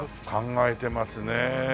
考えてますねえ。